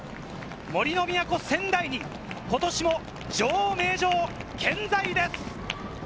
杜の都・仙台に、ことしも女王・名城、健在です。